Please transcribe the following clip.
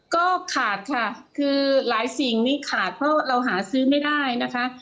ก็ขาดค่ะคือหลายสิ่งนี้ขาดเพราะเราหาซื้อไม่ได้นะคะ